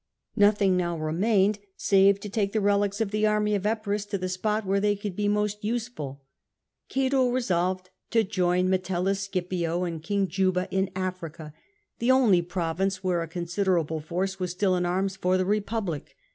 Nothing now remained save to take the relics of the army of Epirus to the spot where they could be most useful. Cato resolved to join Metellus Scipio, and King Juba in Africa, the only province where a considerable force was still in arms for the Republic.